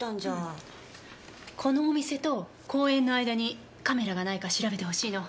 このお店と公園の間にカメラがないか調べてほしいの。